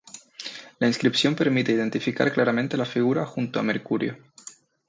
La inscripción permite identificar claramente la figura junto a Mercurio.